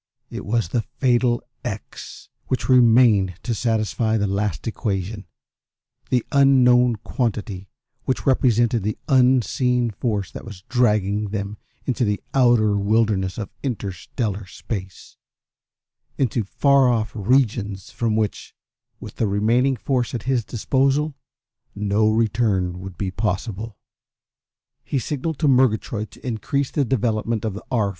It was the fatal x which remained to satisfy the last equation, the unknown quantity which represented the unseen force that was dragging them into the outer wilderness of insterstellar space, into far off regions from which, with the remaining force at his disposal, no return would be possible. He signalled to Murgatroyd to increase the development of the R.